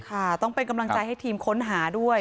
ค่ะต้องเป็นกำลังใจให้ทีมค้นหาด้วย